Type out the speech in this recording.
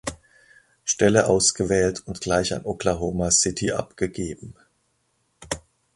Stelle ausgewählt und gleich an Oklahoma City abgegeben.